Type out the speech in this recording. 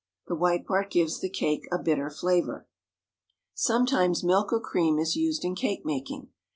The white part gives the cake a bitter flavour. Sometimes milk or cream is used in cake making.